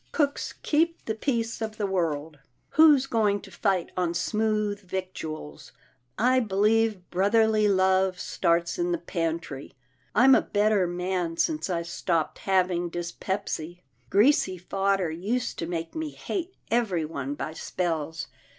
Cooks keep the peace of the world. Who's going to fight on smooth victuals? I believe brotherly love starts in the pantry. I'm a better man since I stopped having dyspepsy. Greasy fodder used to make me hate everyone by spells.